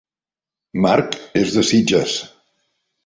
Marc és de Sitges